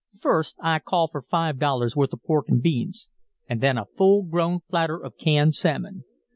"First, I call for five dollars' worth of pork an' beans an' then a full grown platter of canned salmon.